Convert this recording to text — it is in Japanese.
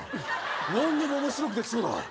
何でもおもしろくできそうだ。